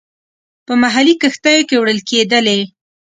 په محلي کښتیو کې وړل کېدلې.